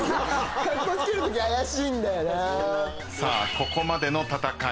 ここまでの戦い